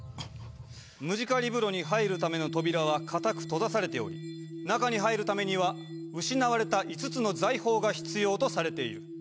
ムジカリブロに入るための扉はかたく閉ざされており中に入るためには失われた５つの財宝が必要とされている。